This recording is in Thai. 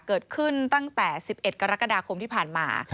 เกิดขึ้นตั้งแต่๑๑กรกฎาคมที่ผ่านมา